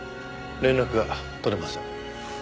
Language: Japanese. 連絡が取れません。